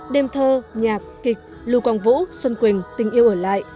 đêm thơ nhạc kịch lưu quang vũ xuân quỳnh tình yêu ở lại